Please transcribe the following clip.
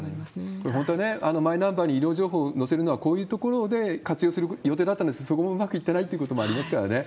これ、本当はマイナンバーに医療情報を載せるのはこういうところで活用する予定だったんですが、そこもうまくいってないということもありますからね。